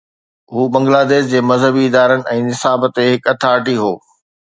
هو بنگلاديش جي مذهبي ادارن ۽ نصاب تي هڪ اٿارٽي هو.